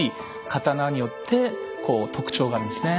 刀によってこう特徴があるんですね。